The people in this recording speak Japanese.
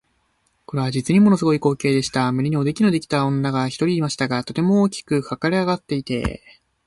これは実にもの凄い光景でした。胸におできのできた女が一人いましたが、とても大きく脹れ上っていて、